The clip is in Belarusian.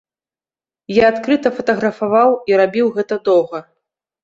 Я адкрыта фатаграфаваў і рабіў гэта доўга.